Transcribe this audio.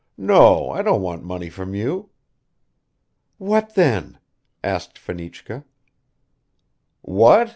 "No, I don't want money from you." "What then?" asked Fenichka. "What?"